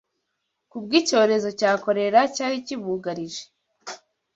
kubw’icyorezo cya korera cyari kibugarije